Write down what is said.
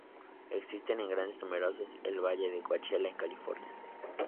Existen en grandes números en el Valle Coachella en California.